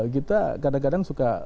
kita kadang kadang suka